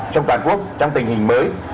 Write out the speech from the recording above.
trong toàn quốc trong tình hình mới